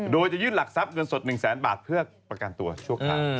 โดยจะยื่นหลักทรัพย์เงินสด๑แสนบาทเพื่อประกันตัวชั่วคราว